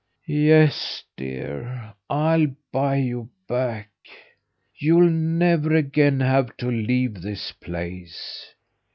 Yes, dear, I'll buy you back. You'll never again have to leave this place.